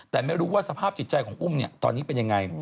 แต่ไม่รู้ว่าสภาพจิตใจของอุ้มตอนนี้เป็นยังไง